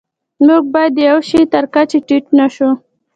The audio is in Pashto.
موږ باید د یوه شي تر کچې ټیټ نشو.